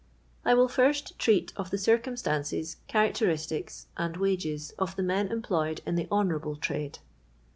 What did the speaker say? I will first treat of the circumstances, charac teristics, and wages of the m^n employed in the honourable trade.